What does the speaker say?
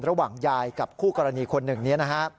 ระหว่างยายกับคู่กรณีคนหนึ่งนี้นะฮะ